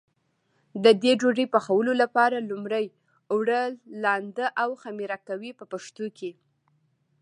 د دې ډوډۍ پخولو لپاره لومړی اوړه لمد او خمېره کوي په پښتو کې.